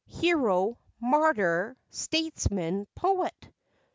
Hero, martyr, statesman, poet?